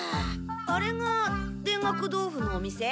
あれが田楽豆腐のお店？